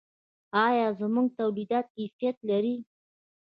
آیا زموږ تولیدات کیفیت لري؟